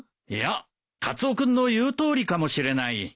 いやカツオ君の言うとおりかもしれない。